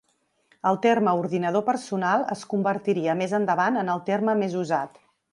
El terme ordinador personal es convertiria més endavant en el terme més usat.